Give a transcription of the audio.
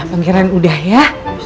pangeran udah ya